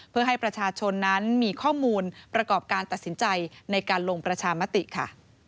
เพื่อให้ประชาชนนั้นมีข้อมูลประกอบการตัดสินใจในการลงประชามติค่ะ